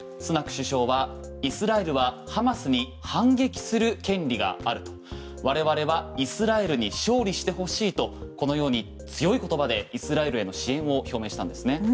首相は、イスラエルはハマスに反撃する権利がある我々はイスラエルに勝利してほしいとこのように強い言葉でイスラエルへの支援を表明したんですね。